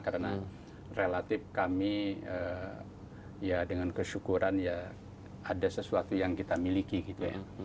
karena relatif kami ya dengan kesyukuran ya ada sesuatu yang kita miliki gitu ya